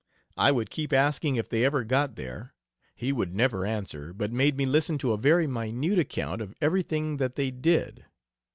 I would keep asking if they ever got there, he would never answer but made me listen to a very minute account of everything that they did.